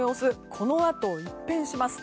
このあと一変します。